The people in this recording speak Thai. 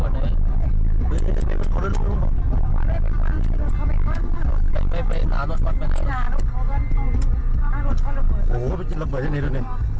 เดิมเบิดขึ้นไปดู